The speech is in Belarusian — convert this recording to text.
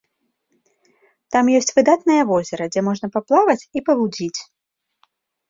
Там ёсць выдатнае возера, дзе можна паплаваць і павудзіць.